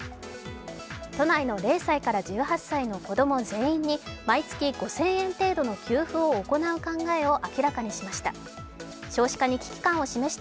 都内の０歳から１８歳の子供全員に毎月５０００円程度の給付を行う考えを明らかにしました。